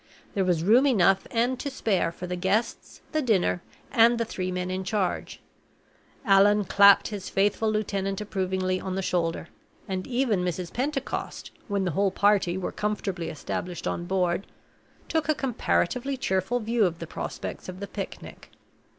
There was room enough and to spare for the guests, the dinner, and the three men in charge. Allan clapped his faithful lieutenant approvingly on the shoulder; and even Mrs. Pentecost, when the whole party were comfortably established on board, took a comparatively cheerful view of the prospects of the picnic.